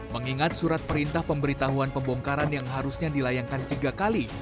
mengingat surat perintah pemberitahuan pembongkaran yang harusnya dilayangkan tiga kali